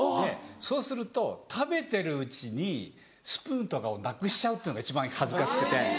そうすると食べてるうちにスプーンとかをなくしちゃうっていうのが一番恥ずかしくて。